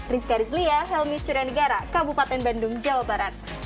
rizka rizlia helmi suryanegara kabupaten bandung jawa barat